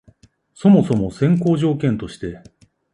そもそも先行条件として、